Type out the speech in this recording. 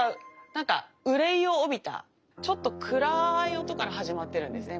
なんか憂いをおびたちょっと暗い音から始まってるんですね